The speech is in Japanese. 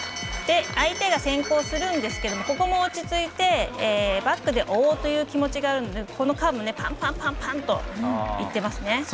相手が先行するんですけどここも落ち着いてバックで追おうという気持ちがあるのでここもカーブでパンパンパンといってますね。